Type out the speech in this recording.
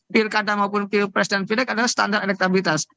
pilkada maupun pilpres dan pilek adalah standar elektabilitas